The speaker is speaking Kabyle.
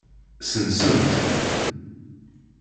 Sensen-tt.